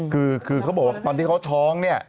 คือเขาบอกว่าตอนที่เขาท้องเนี่ย